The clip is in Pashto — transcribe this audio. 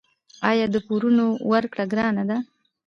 آیا د پورونو ورکړه ګرانه ده؟